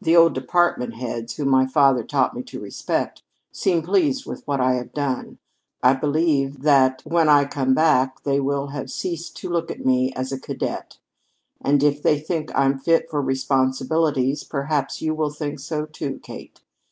"The old department heads, whom my father taught me to respect, seem pleased with what I have done. I believe that when I come back they will have ceased to look on me as a cadet. And if they think I'm fit for responsibilities, perhaps you will think so, too, Kate.